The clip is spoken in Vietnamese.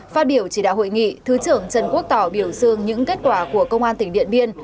phát biểu chỉ đạo hội nghị thứ trưởng trần quốc tỏ biểu dương những kết quả của công an tỉnh điện biên